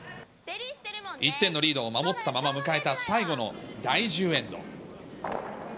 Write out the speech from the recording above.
１点のリードを守ったまま迎えた最後の第１０エンド。